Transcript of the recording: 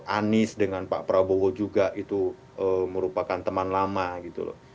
anies dengan pak prabowo juga itu merupakan teman lama gitu loh